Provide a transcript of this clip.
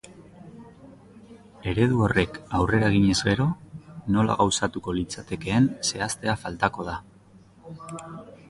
Eredu horrek aurrera eginez gero, nola gauzatuko litzatekeen zehaztea faltako da.